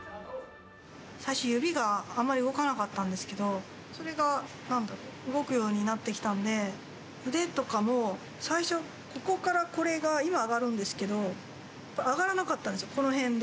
最初、指があんまり動かなかったんですけど、それがなんだろう、動くようになってきたんで、腕とかも最初、ここからこれが、今上がるんですけど、上がらなかったんですよ、この辺で。